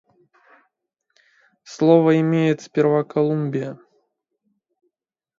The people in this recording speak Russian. Слово имеет сперва Колумбия.